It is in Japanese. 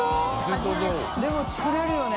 久本）でも作れるよね